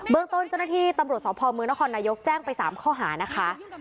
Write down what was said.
เบิกต้นเจ้าหน้าที่ตำรวจสอบพมนนแจ้งไป๓ข้อหานะคะ